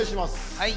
はい。